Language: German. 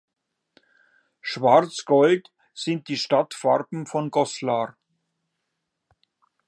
Schwarz-Gold sind die Stadtfarben von Goslar.